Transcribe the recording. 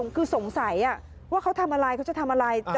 คือสงสัยว่าเขาทำอะไรเขาจะทำอะไร